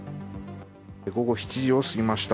午後７時を過ぎました。